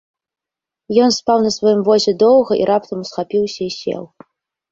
Ён спаў на сваім возе доўга і раптам усхапіўся і сеў.